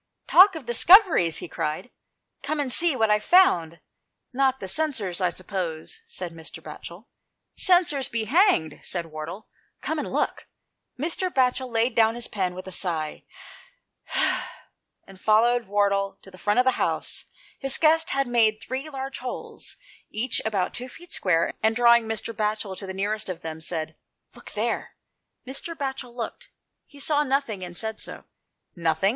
"Talk of discoveries," he cried, "come and see what I've found." "Not the censers, I suppose," said Mr. Batchel. " Censers be hanged," said Wardle, " come and look." Mr. Batchel laid down his pen, with a sigh, and followed Wardle to the front of the house His guest had made three large holes, each 164 THE PLACE OP SAEETY. about two feet square, and drawing Mr. Batchel to the nearest of them, said " Look there." Mr. Batchel looked. He saw nothing, and said so. "Nothing?"